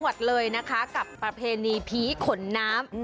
จังหวัดเลยนะคะกับประเพณีผีขนน้ำ